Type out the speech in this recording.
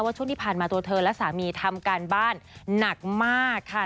ช่วงที่ผ่านมาตัวเธอและสามีทำการบ้านหนักมากค่ะ